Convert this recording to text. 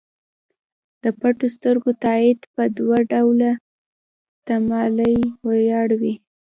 د پټو سترګو تایید په دوه ډوله تمایلاتو ولاړ وي.